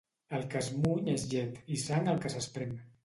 El que es muny és llet i sang el que s'esprem.